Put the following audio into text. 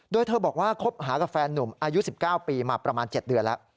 โดยเธอบอกว่าคบหากับแฟนหนุ่มอายุ๑๙ปีมาประมาณ๗เดือนแล้ว